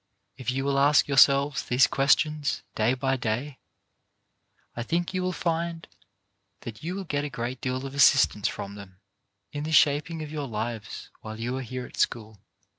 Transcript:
If you will ask yourselves these questions day by day, I think you will find that you will get a great deal of as sistance from them in the shaping of your lives while you are here at school.